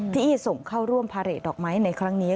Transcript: ที่ส่งเข้าร่วมพาเรทดอกไม้ในครั้งนี้